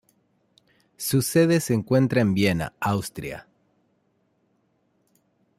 Su sede se encuentra en Viena, Austria.